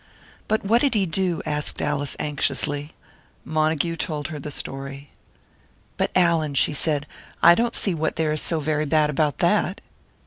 "But what did he do?" asked Alice, anxiously. Montague told her the story. "But, Allan," she said, "I don't see what there is so very bad about that.